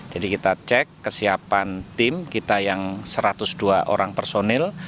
jadi kita cek kesiapan tim kita yang satu ratus dua orang personil